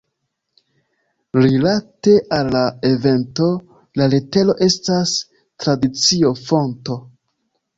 Rilate al la evento, la letero estas tradicio-fonto.